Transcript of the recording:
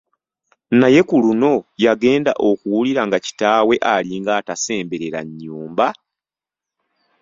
Naye ku luno yagenda okuwulira nga kitaawe alinga atasemberera nnyumba!